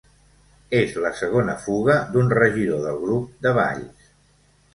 És la segona fuga d'un regidor del grup de Valls